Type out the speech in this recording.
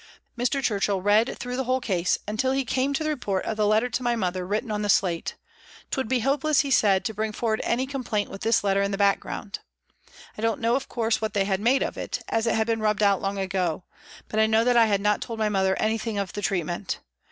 Mr. Churchill read through the whole case, until he came to the report of the letter to my mother written on the slate. " 'T would be hopeless," he said, " to bring forward any com plaint with this letter in the background." I don't know, of course, what they had made of it, as it had been rubbed out long ago, but I know that I had not told my mother anything of the treatment.